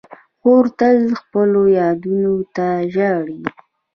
خور تل خپلو یادونو ته ژاړي.